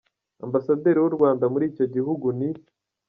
Ambasaderi w’u Rwanda muri icyo gihugu ni .